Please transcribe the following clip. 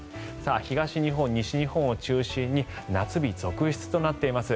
東日本、西日本を中心に夏日続出となっています。